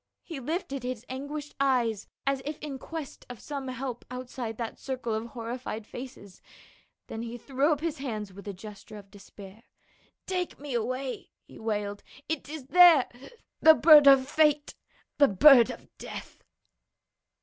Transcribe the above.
He lifted his anguished eyes as if in quest of some help outside that circle of horrified faces, then he threw up his hands with a gesture of despair. "Take me away!" he wailed, "it is there — the bird of fate — the bird of death."